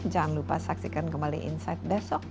jangan lupa saksikan kembali insight besok